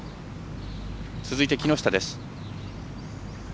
続いて、木下です。